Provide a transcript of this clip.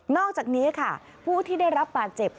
อกจากนี้ค่ะผู้ที่ได้รับบาดเจ็บ